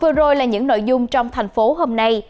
vừa rồi là những nội dung trong thành phố hôm nay